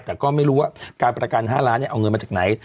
แต่ก็ไม่รู้ว่าการประกัน๕ล้านเอาเงินมาจากไหน